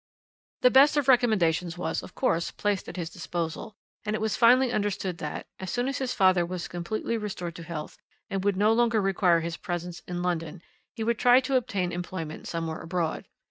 "The best of recommendations was, of course, placed at his disposal, and it was finally understood that, as soon as his father was completely restored to health and would no longer require his presence in London, he would try to obtain employment somewhere abroad.